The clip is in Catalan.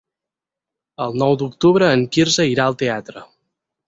El nou d'octubre en Quirze irà al teatre.